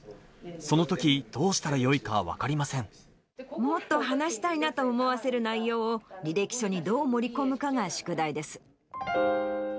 そのとき、どうしたらよいか分かもっと話したいなと思わせる内容を、履歴書にどう盛り込むかが宿題です。